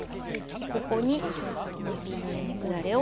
ここにトマピーにんにくだれを。